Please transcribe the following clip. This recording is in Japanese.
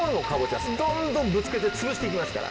どんどんぶつけて潰していきますから。